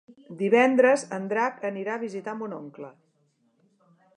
Divendres en Drac anirà a visitar mon oncle.